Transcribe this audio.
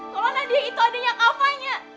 kalo nadia itu adiknya kapan ya